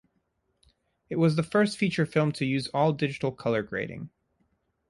It was the first feature film to use all-digital color grading.